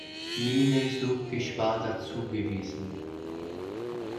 Minensuchgeschwader zugewiesen.